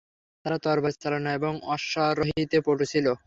তারা তরবারি চালনা এবং অশ্বারোহিতে পটু ছিল।